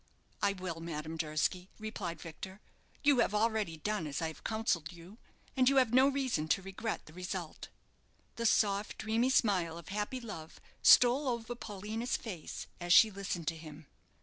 "I will, Madame Durski," replied Victor. "You have already done as I have counselled you, and you have no reason to regret the result." The soft, dreamy smile of happy love stole over Paulina's face as she listened to him.